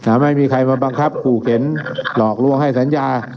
ไม่มีใครมาบังคับขู่เข็นหลอกลวงให้สัญญา